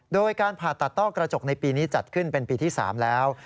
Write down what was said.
โดยการผ่าตัดต้อกระจกในปีนี้จัดขึ้นเป็นปีที่๓แล้ว